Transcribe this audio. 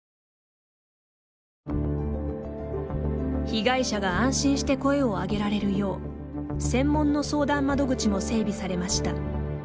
被害者が安心して声を上げられるよう専門の相談窓口も整備されました。